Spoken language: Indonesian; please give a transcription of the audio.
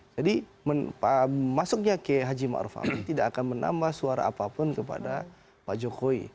jadi masuknya ke haji ma'ruf cucumber tidak akan menambah suara apapun kepada pak jokowi